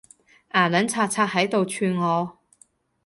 牙撚擦擦喺度串我